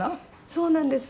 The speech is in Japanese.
そうなんです。